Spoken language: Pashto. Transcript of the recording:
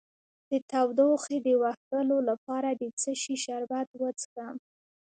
د تودوخې د وهلو لپاره د څه شي شربت وڅښم؟